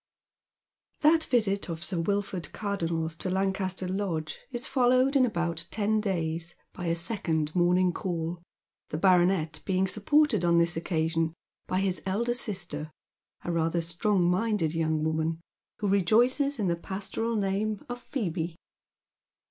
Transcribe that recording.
That visit of Sir "Wilford Cardonnel's to Lancaster Lodge is followed in about ten days by a second morning call, the baronet being supported on this occasion by his elder sister, a ratljor strong minded young woman, who rejoices in the pastoral name of Plioebe.